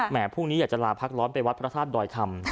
พรุ่งนี้อยากจะลาพักร้อนไปวัดพระธาตุดอยคำ